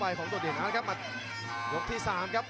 ประโยชน์ทอตอร์จานแสนชัยกับยานิลลาลีนี่ครับ